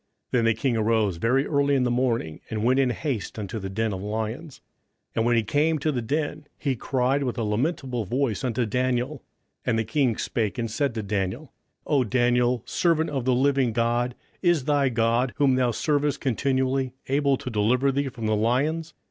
27:006:019 Then the king arose very early in the morning, and went in haste unto the den of lions. 27:006:020 And when he came to the den, he cried with a lamentable voice unto Daniel: and the king spake and said to Daniel, O Daniel, servant of the living God, is thy God, whom thou servest continually, able to deliver thee from the lions?